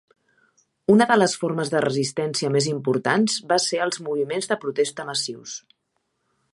Una de les formes de resistència més importants va ser els moviments de protesta massius.